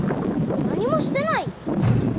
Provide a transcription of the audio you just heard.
何もしてないよ。